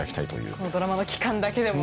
このドラマの期間だけでも。